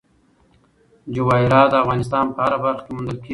جواهرات د افغانستان په هره برخه کې موندل کېږي.